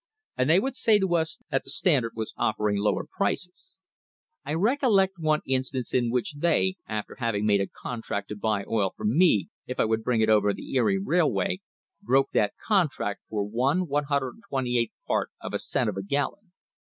And they would say to us that the Stand ard was offering lower prices. I recollect one instance in which j they, after having made a contract to buy oil from me if I would bring it over the Erie Railway, broke that con j tract for the i i28th part of a cent a gallon.